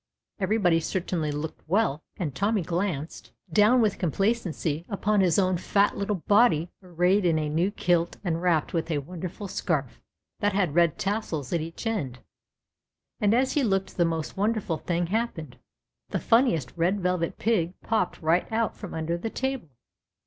Everybody certainly looked well, and Tommy glanced 284 . the CHILDREN'S WONDER BOOK. down with complacency upon his own fat little body arrayed in a new kilt and wrapped with a wonderful scarf that had red tassels at each end. And as he looked the most wonderful thing happened. The funniest Red Velvet Pig popped right out from under the table